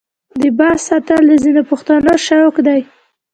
د باز ساتل د ځینو پښتنو شوق دی.